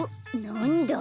なんだ？